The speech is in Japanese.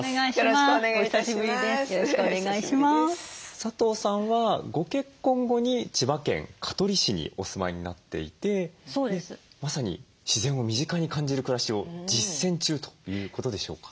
佐藤さんはご結婚後に千葉県香取市にお住まいになっていてまさに自然を身近に感じる暮らしを実践中ということでしょうか？